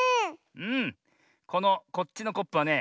このこっちのコップはね。